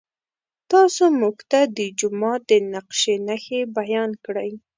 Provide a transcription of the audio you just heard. تاسو موږ ته د جومات د نقشې نښې بیان کړئ.